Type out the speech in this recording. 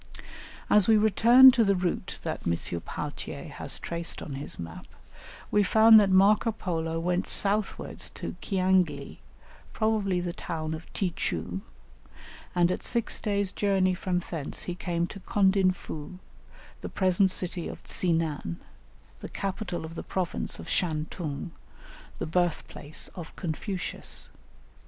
As we return to the route that M. Pauthier has traced on his map, we find that Marco Polo went southwards to Ciangli, probably the town of Ti choo, and at six days' journey from thence he came to Condinfoo, the present city of Tsi nan, the capital of the province of Shan tung, the birthplace of Confucius.